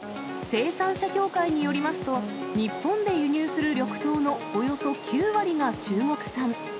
生産者協会によりますと、日本で輸入する緑豆のおよそ９割が中国産。